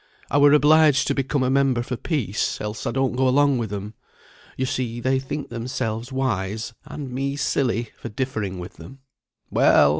I were obliged to become a member for peace, else I don't go along with 'em. Yo see they think themselves wise, and me silly, for differing with them; well!